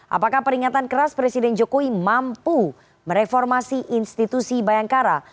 apakah peringatan keras presiden jokowi mampu mereformasi institusi bayangkara